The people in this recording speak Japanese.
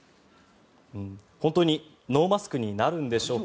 本当にノーマスクになるんでしょうか。